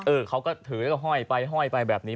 เขาก็ถือแล้วก็ห้อยไปห้อยไปแบบนี้